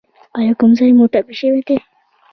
ایا کوم ځای مو ټپي شوی دی؟